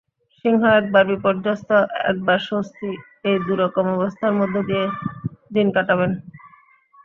সিংহ একবার বিপর্যস্ত, একবার স্বস্তি—এই দুরকম অবস্থার মধ্যে দিয়ে দিন কাটাবেন।